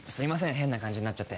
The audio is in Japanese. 変な感じになっちゃって。